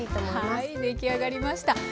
はい出来上がりました。